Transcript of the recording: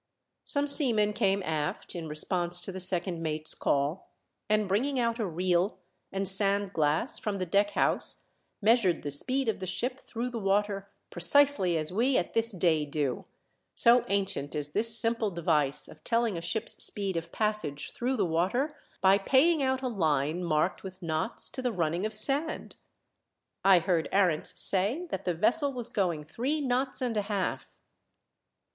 Some seamen came aft, in response to the second mate's call, and, bringing out a reel and sand glass from the deck house, measured the speed of the ship through the water, precisely as we at this day do, so ancient is this simple device of telling a ship's speed of passage through the water by paying out a line marked with knots to the running of sand ! I heard Arents say that the vessel was going three knots and a half.